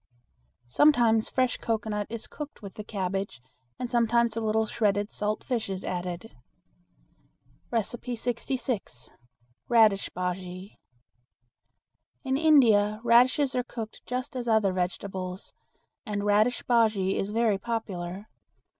Sometimes fresh cocoanut is cooked with the cabbage and sometimes a little shredded salt fish is added. 66. Radish Bujea. In India radishes are cooked just as other vegetables, and radish bujea is very popular.